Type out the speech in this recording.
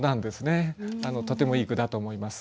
とてもいい句だと思います。